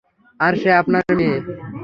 আর সে আপনার মেয়ে।